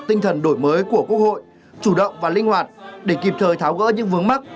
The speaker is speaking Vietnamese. tinh thần đổi mới của quốc hội chủ động và linh hoạt để kịp thời tháo gỡ những vướng mắt